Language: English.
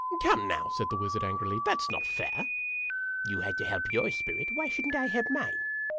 "Come now," said the wizard, angrily, "that's not fair!" "You had to help your spirit, why should n't I help mine?"